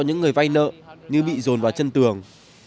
những người vay nợ như bị dồn vào chân tường